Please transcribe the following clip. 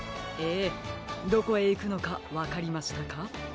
ええどこへいくのかわかりましたか？